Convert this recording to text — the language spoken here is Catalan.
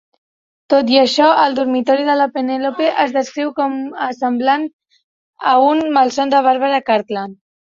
Tot i això, el dormitori de la Penèlope es descriu com a semblant a un 'malson de Barbara Cartland'.